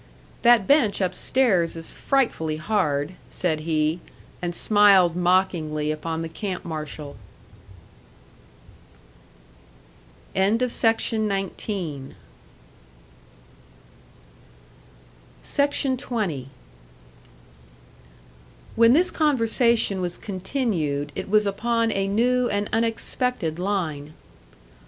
"That bench upstairs is frightfully hard," said he, and smiled mockingly upon the camp marshal. SECTION 20. When this conversation was continued, it was upon a new and unexpected line.